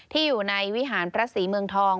ที่อยู่ในวิหารพระศรีเมืองทอง